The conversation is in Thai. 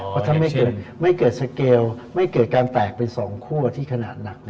เพราะถ้าไม่เกิดสเกลไม่เกิดการแตกเป็น๒คั่วที่ขนาดหนัก